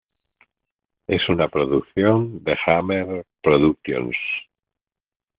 Es una producción de Hammer Productions.